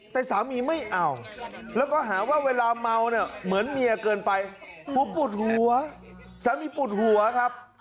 แต่สามีไม่เอาแล้วก็หาว่าเวลาเมาเนี่ยเหมือนเมียเกินไปผัวปวดหัวสามีปวดหัวครับ